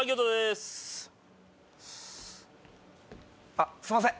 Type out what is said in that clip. あっすいません。